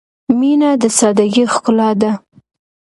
• مینه د سادګۍ ښکلا ده.